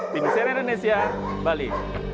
dini seri indonesia bali